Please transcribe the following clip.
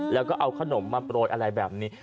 แล้วก็เอาขนมมาโปรยอะไรแบบนี้